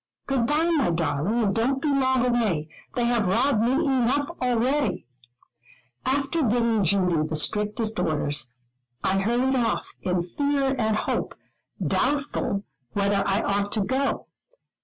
"Good bye, my darling, and don't be long away. They have robbed me enough already." After giving Judy the strictest orders, I hurried off in fear and hope, doubtful whether I ought to go.